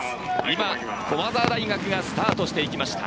今、駒澤大学がスタートしていきました。